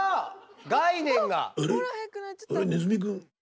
概念が。